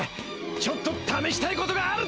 ちょっとためしたいことがある！